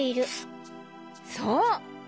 そう！